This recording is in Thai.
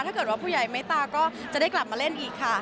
ถ้าเกิดว่าผู้ใหญ่เมตตาก็จะได้กลับมาเล่นอีกค่ะ